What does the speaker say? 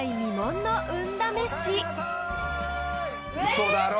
嘘だろ？